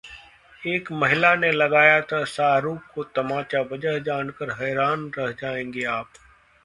एक महिला ने लगाया था शाहरुख को तमाचा, वजह जानकर हैरान रह जाएंगे आप...